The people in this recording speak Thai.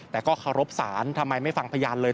แต่ก็เคารพศาลทำไมไม่ฟังพยานเลย